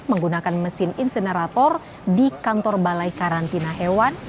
menggunakan mesin insenerator di kantor balai karantina hewan